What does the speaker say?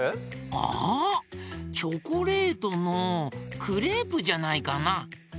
あっチョコレートのクレープじゃないかな？